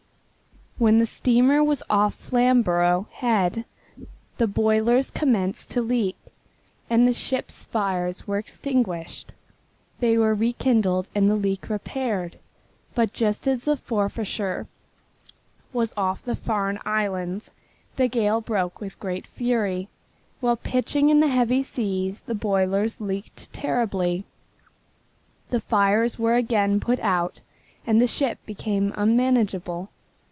When the steamer was off Flamborough Head the boilers commenced to leak, and the ship's fires were extinguished. They were rekindled and the leak repaired, but just as the Forfarshire was off the Farne Islands the gale broke with great fury. While pitching in the heavy seas the boilers leaked terribly, the fires were again put out and the ship became unmanageable.